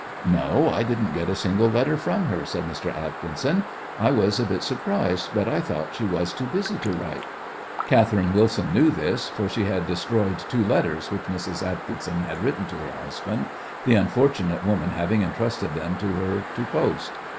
"No, I didn't get a single letter from her," said Mr. Atkinson. "I was a bit surprised, but I thought she was too busy to write." Catherine Wilson knew this, for she had destroyed two letters which Mrs. Atkinson had written to her husband, the unfortunate woman having entrusted them to her to post.